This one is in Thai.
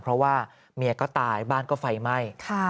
เพราะว่าเมียก็ตายบ้านก็ไฟไหม้